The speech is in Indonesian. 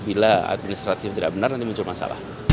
bila administratif tidak benar nanti muncul masalah